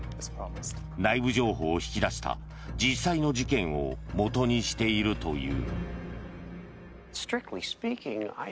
内部情報を引き出した実際の事件をもとにしているという。